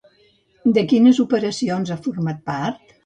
De quines operacions ha format part?